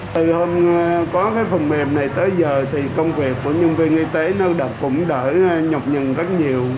từ hôm có cái phần mềm này tới giờ thì công việc của nhân viên y tế nó cũng đỡ nhọc nhằn rất nhiều